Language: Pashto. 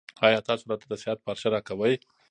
ایا تاسو راته د صحت پارچه راکوئ؟